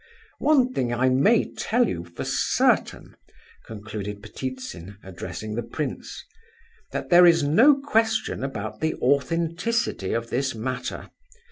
"One thing I may tell you, for certain," concluded Ptitsin, addressing the prince, "that there is no question about the authenticity of this matter.